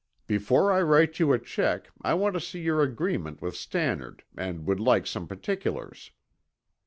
Before I write you a check, I want to see your agreement with Stannard and would like some particulars."